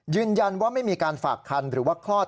ยืนยันว่าไม่มีการฝากคันหรือว่าคลอด